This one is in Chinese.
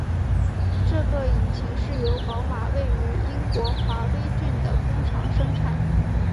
这个引擎是由宝马位于英国华威郡的工厂生产。